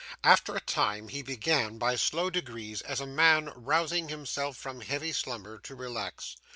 After a time, he began, by slow degrees, as a man rousing himself from heavy slumber, to relax.